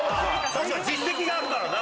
確かに実績があるからな。